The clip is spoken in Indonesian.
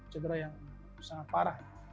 cedera yang sangat berat